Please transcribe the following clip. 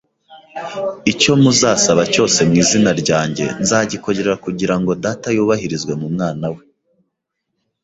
icyo muzasaba cyose mu izina ryanjye nzagikorera kugira ngo Data yubahirizwe mu mwana we